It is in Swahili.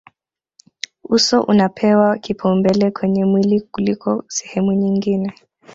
uso unapewa kipaumbele kwenye mwili kuliko sehemu nyingine